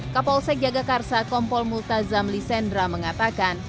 kapolsek jagakarsa kompol multazam lisendra mengatakan